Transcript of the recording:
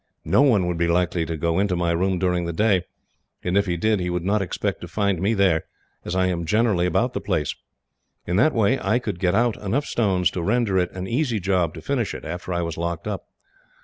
No one would be likely to go into my room during the day, and if he did, he would not expect to find me there, as I am generally about the place. In that way, I could get out enough stones to render it an easy job to finish it, after I was locked up.